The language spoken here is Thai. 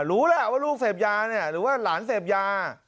รู้แหละว่าลูกเสพยาเนี่ยหรือว่าหลานเสพยา